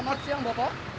selamat siang bapak